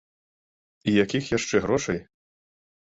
І якіх яшчэ грошай!